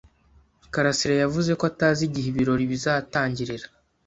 karasira yavuze ko atazi igihe ibirori bizatangirira.